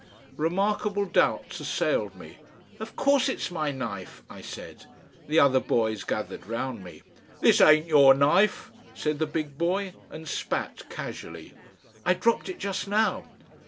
Remarkable doubts assailed me. "Of course it's my knife," I said. The other boys gathered round me. "This ain't your knife," said the big boy, and spat casually. "I dropped it just now."